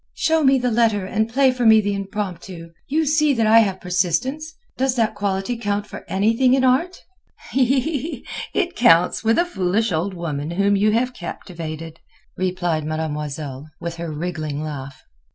"Show me the letter and play for me the Impromptu. You see that I have persistence. Does that quality count for anything in art?" "It counts with a foolish old woman whom you have captivated," replied Mademoiselle, with her wriggling laugh.